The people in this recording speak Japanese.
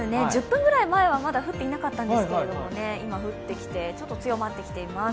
１０分ぐらい前は、まだ降っていなかったんですけど、今、降ってきてちょっと強まってきています。